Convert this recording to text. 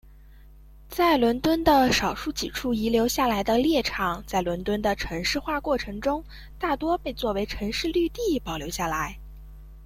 在伦敦的少数几处遗留下来的猎场在伦敦的城市化过程中大多被作为城市绿地保留下来。